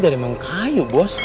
udah emang kayu bos